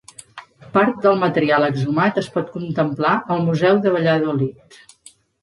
Part del material exhumat es pot contemplar al Museu de Valladolid.